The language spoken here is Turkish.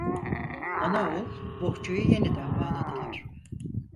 Anaoğul bohçayı yeniden bağladılar.